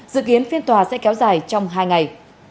dự kiến phiên tòa sẽ kéo dài trong hai ngày